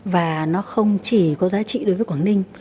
và nó không chỉ có giá trị đối với quảng ninh